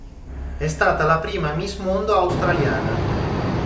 È stata la prima Miss Mondo australiana.